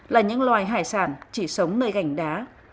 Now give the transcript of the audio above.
là những loài hải sản chỉ sống nơi gành đá